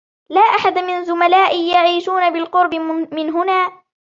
لا أحد من زملائي يعيشون بالقرب من هنا.